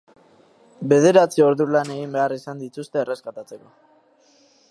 Bederatzi ordu lan egin behar izan dituzte erreskatatzeko.